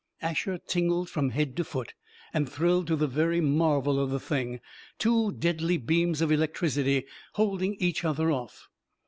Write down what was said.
Asher tingled from head to foot, and thrilled to the very marvel of the thing. Two deadly beams of electricity, holding each other off!